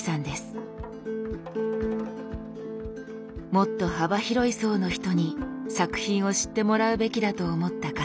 「もっと幅広い層の人に作品を知ってもらうべきだ」と思った笠谷さん。